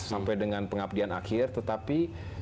sampai dengan pengabdian akhir tetapi